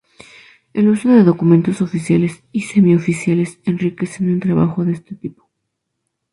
El uso de documentos oficiales y semi-oficiales, enriquecen un trabajo de este tipo.